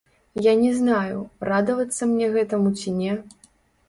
Я не знаю, радавацца мне гэтаму ці не.